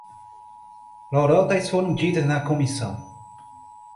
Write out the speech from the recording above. Lorotas foram ditas na comissão